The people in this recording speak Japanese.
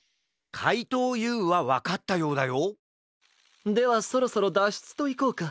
かいとうＵはわかったようだよではそろそろだっしゅつといこうか。